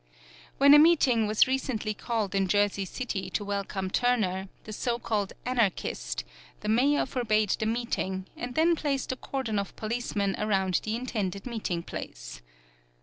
When a meeting was recently called in Jersey City to welcome Turner, the so called anarchist, the Mayor forbade the meeting and then placed a cordon of policemen around the intended meeting place.